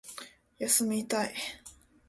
休みたい